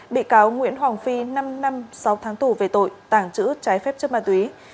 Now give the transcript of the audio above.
bị cáo nguyễn hoàng phi năm năm sáu tháng tù về tội tàng trữ trái phép chất ma túy